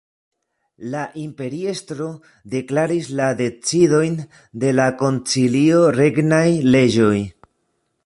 La imperiestro deklaris la decidojn de la koncilio regnaj leĝoj.